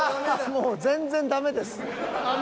もう全然ダメです。